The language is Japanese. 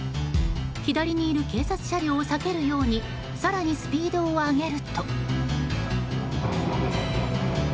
左にいる警察車両を避けるように更にスピードを上げると。